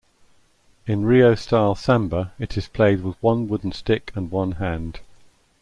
In Rio-style samba it is played with one wooden stick and one hand.